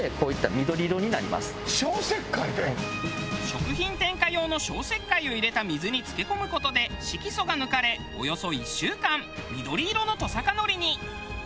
食品添加用の消石灰を入れた水に漬け込む事で色素が抜かれおよそ１週間緑色のトサカノリに。